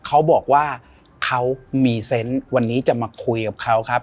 เขาบอกว่าเขามีเซนต์วันนี้จะมาคุยกับเขาครับ